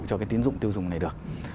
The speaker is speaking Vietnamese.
cho cái tín dụng tiêu dùng này được